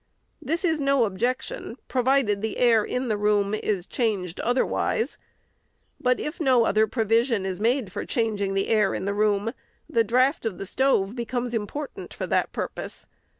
This is no objection, provided the air in the room is changed otherwise. But if no other provision is made for changing the air in the room, the draught of the stove becomes important for that purpose.